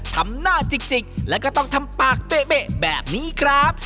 ทำหน้าจิกแล้วก็ต้องทำปากเปะแบบนี้ครับ